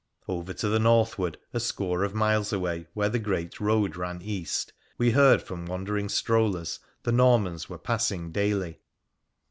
Over to the northward, a score of miles away, where the great road ran east, we heard from wandering strollers the Normans were passing daily.